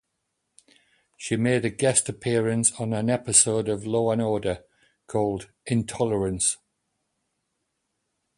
She made a guest appearance on an episode of "Law and Order" called "Intolerance".